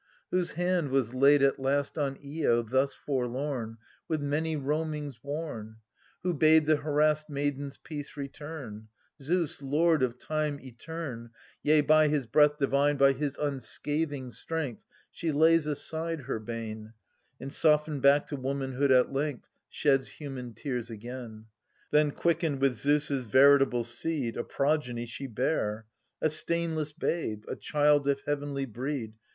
? Whose hand was laid at last on lo, thus forlorn, ^XA \ With many roamings worn ? I^Wh'o bade the harassed maiden's peace return ? /y) y Zeus, lord of time eterne. L yt> i^t f^ ^ Yea, by his breath divine, by his unscathing streng^. She lays aside her bane, " And softened back to womanhood at length Sheds human tears again. Then quickened with Zeus' veritable seed, A progeny she bare, ^/:JCrX^ A stainless babe, a child of heavenly breed.